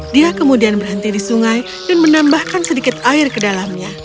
dia kemudian berhenti di sungai dan menambahkan sedikit air ke dalamnya